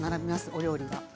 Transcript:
お料理が。